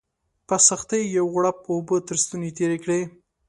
په سختۍ یې یو غوړپ اوبه تر ستوني تېري کړې